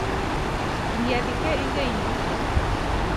Кинйәбикә өйгә инеп китә.